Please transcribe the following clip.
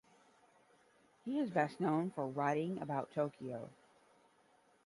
He is best known for writing about Tokyo.